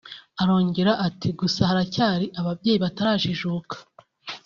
Arongera ati “Gusa haracyari ababyeyi batarajijuka